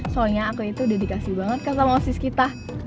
soalnya aku itu dedikasi banget sama osis kita